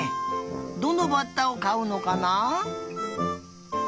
どのバッタをかうのかな？